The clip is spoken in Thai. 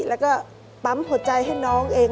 แล้วก็ปั๊มหัวใจให้น้องเอง